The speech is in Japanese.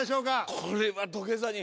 これは土下座に。